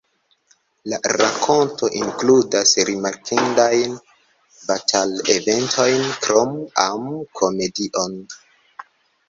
La rakonto inkludas rimarkindajn batal-eventojn krom am-komedion.